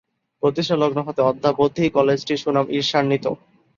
প্রতিষ্ঠালগ্ন হতে অদ্যাবধি কলেজটির সুনাম ঈর্ষান্বিত।